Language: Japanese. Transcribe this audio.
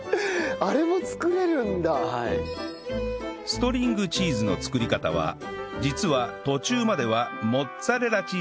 ストリングチーズの作り方は実は途中まではモッツァレラチーズと同じ